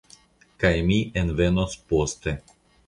Kaj mi envenos poste.